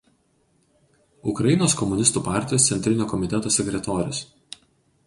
Ukrainos komunistų partijos Centrinio komiteto sekretorius.